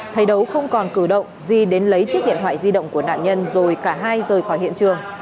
thấy đấu không còn cử động di đến lấy chiếc điện thoại di động của nạn nhân rồi cả hai rời khỏi hiện trường